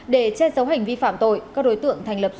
để che dấu hành vi phạm tội các đối tượng thành lập số